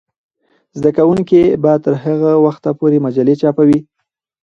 زده کوونکې به تر هغه وخته پورې مجلې چاپوي.